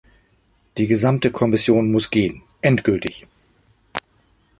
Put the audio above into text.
Die gesamte Kommission muss gehen endgültig.